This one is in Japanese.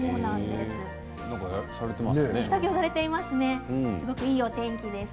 すごくいいお天気です。